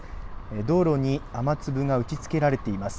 道路に雨粒が打ちつけられています。